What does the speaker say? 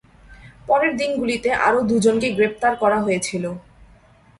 পরের দিনগুলিতে আরও দু'জনকে গ্রেপ্তার করা হয়েছিল।